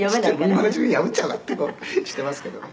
「今のうちに破っちゃおうかってこうしていますけどね」